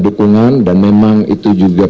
dukungan dan memang itu juga